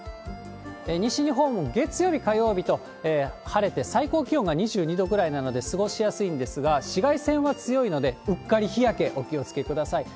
西日本、月曜日、火曜日と晴れて、最高気温が２２度ぐらいなので過ごしやすいんですが、紫外線は強いので、うっかり日焼け、お気をつけください。